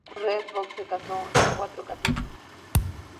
Redd Foxx se casó en cuatro ocasiones.